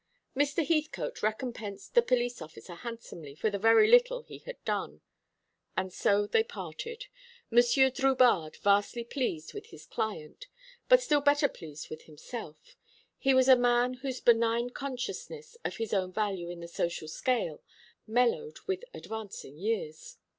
Mr. Heathcote recompensed the police officer handsomely for the very little he had done; and so they parted, M. Drubarde vastly pleased with his client, but still better pleased with himself. He was a man whose benign consciousness of his own value in the social scale mellowed with advancing years.